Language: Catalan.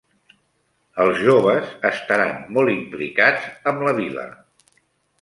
Els joves estaran molt implicats amb la vila.